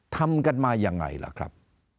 ทำกันมายังไงล่ะครับ